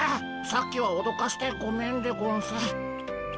さっきはおどかしてごめんでゴンス。